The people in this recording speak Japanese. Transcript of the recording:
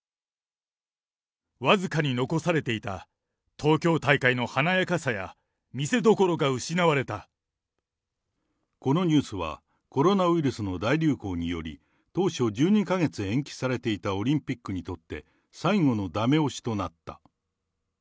僅かに残されていた東京大会の華やかさや、このニュースは、コロナウイルスの大流行によって、当初、１２か月延期されていたオリンピックにとって、最後のだめ押しとなった。